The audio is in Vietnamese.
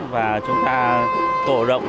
và chúng ta cổ động